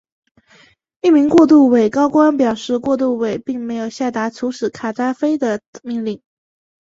一名过渡委高官表示过渡委并没有下达处死卡扎菲的命令。